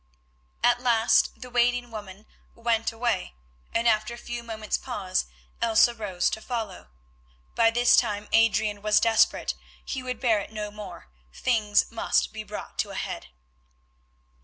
At last the waiting woman went away, and, after a few moment's pause, Elsa rose to follow. By this time Adrian was desperate. He would bear it no more; things must be brought to a head.